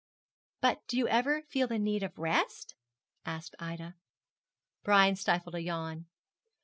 'But do you never feel the need of rest?' asked Ida. Brian stifled a yawn.